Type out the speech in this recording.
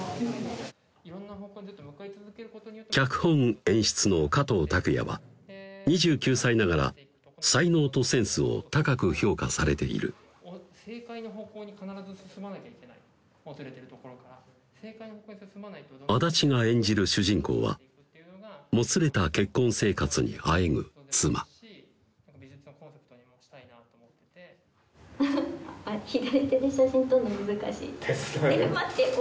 脚本・演出の加藤拓也は２９歳ながら才能とセンスを高く評価されている安達が演じる主人公はもつれた結婚生活にあえぐ妻「フフッあっ左手で写真撮んの難しい」「手伝うよ」